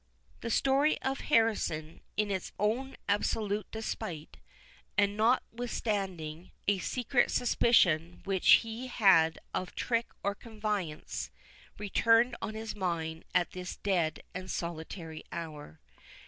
The story of Harrison, in his own absolute despite, and notwithstanding a secret suspicion which he had of trick or connivance, returned on his mind at this dead and solitary hour.